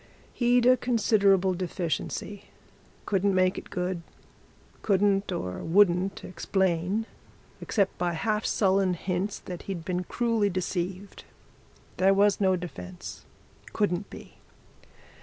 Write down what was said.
He'd a considerable deficiency couldn't make it good couldn't or wouldn't explain except by half sullen hints that he'd been cruelly deceived. There was no defence couldn't be.